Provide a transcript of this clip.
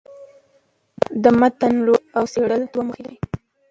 د متون لوستل او څېړل دوې موخي لري.